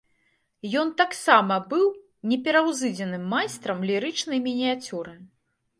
Ён таксама быў непераўзыдзеным майстрам лірычнай мініяцюры.